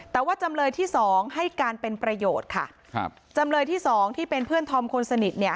แต่ว่าจำเลยที่สองให้การเป็นประโยชน์ค่ะครับจำเลยที่สองที่เป็นเพื่อนธอมคนสนิทเนี่ย